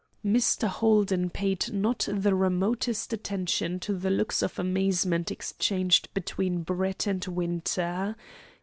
Mr. Holden paid not the remotest attention to the looks of amazement exchanged between Brett and Winter.